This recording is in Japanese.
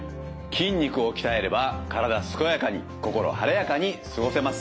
筋肉を鍛えれば体健やかに心晴れやかに過ごせます。